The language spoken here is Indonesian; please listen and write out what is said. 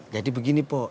jadi begini pok